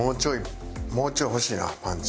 もうちょい欲しいなパンチ。